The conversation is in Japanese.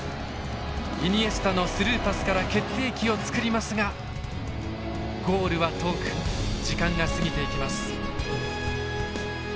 イニエスタのスルーパスから決定機を作りますがゴールは遠く時間が過ぎていきます。